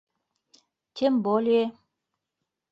— Тем более.